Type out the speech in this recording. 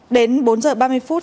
đến bốn giờ ba mươi phút